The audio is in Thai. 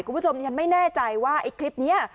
คุณผู้ชมยังไม่แน่ใจว่าคลิปนี้